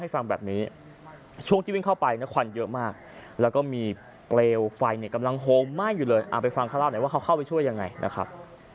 ไฟเนี่ยกำลังโฮมมากอยู่เลยอ่าไปฟังข้าเล่าหน่อยว่าเขาเข้าไปช่วยยังไงนะครับ